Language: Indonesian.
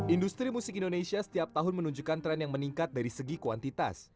industri musik indonesia setiap tahun menunjukkan tren yang meningkat dari segi kuantitas